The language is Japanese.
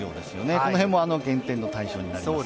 この辺も減点の対象になります。